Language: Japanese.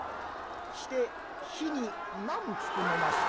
して日に何服のました？